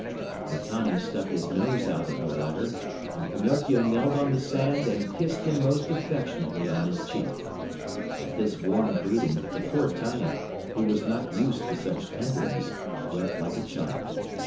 The Tunny stuck his nose out of the water and Pinocchio knelt on the sand and kissed him most affectionately on his cheek. At this warm greeting, the poor Tunny, who was not used to such tenderness, wept like a child.